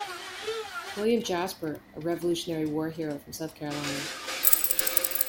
William Jasper, a Revolutionary War hero from South Carolina.